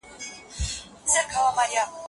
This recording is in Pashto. ستا له اوربله ډزې وشوې